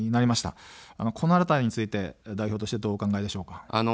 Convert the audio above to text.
このあたりについて代表としてはどうお考えでしょうか。